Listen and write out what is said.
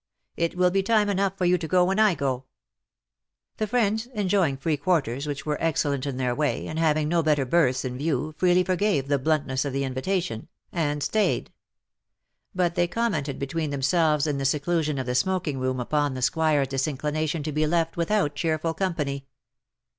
It will be time enough for you to go when I go/' The friends, enjoying free quarters wliich were excellent in their way, and having no better berths in view, freely forgave the bluntness of the iavitation, VOL. m. r 66 " DUST TO DUST." and stayed. But they commented between them selves in the seclusion of the smoking room upon the Squire's disinclination to be left without cheerful company.